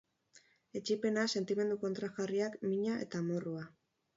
Etsipena, sentimendu kontrajarriak, mina eta amorrua.